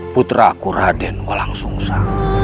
putraku raden wolangsungsa